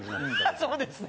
そうですね。